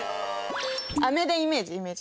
飴でイメージイメージ。